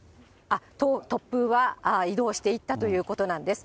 突風は移動していったということなんです。